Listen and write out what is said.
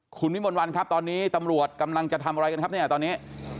คุณวิมลวันครับตอนนี้ตำรวจกำลังจะทำอะไรกันครับเนี่ยตอนนี้